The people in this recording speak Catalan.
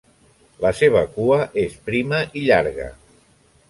La seva cua és prima i llarga.